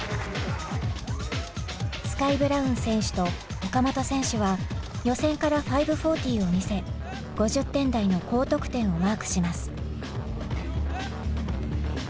スカイ・ブラウン選手と岡本選手は予選から５４０を見せ５０点台の高得点をマークします。